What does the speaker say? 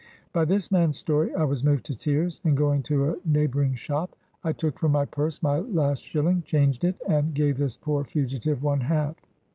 By this man's story I was moved to tears, and, going to a neighboring shop, I took from my purse my last shilling, changed it, and gave this poor fugitive one half.